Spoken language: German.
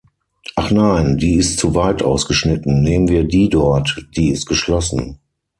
Ach nein, die ist zu weit ausgeschnitten, nehmen wir die dort, die ist geschlossen.